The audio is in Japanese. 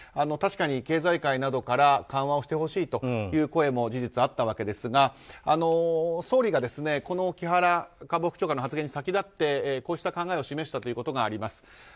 確かに経済界などから緩和をしてほしいという声も事実あったわけですが、総理が木原官房副長官の発言に先立ってこうした考えを示したということがあります。